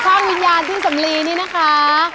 เจอทางวิญญาณที่สำหรีนี้นะคะ